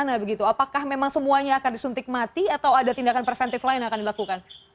apakah memang semuanya akan disuntik mati atau ada tindakan preventif lain yang akan dilakukan